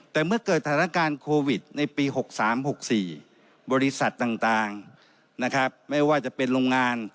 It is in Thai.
แต่เมื่อเกิดสถานการณ์โควิดในปี๖๓๖๔บริษัทต่างนะครับไม่ว่าจะเป็นโรงงาน